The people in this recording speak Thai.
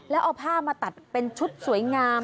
แล้วเอาผ้ามาตัดเป็นชุดสวยงาม